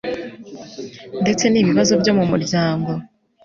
ndetse n ibibazo byo mu muryango